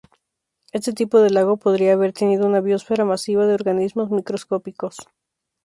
Este tipo de lago podría haber tenido una biosfera masiva de organismos microscópicos.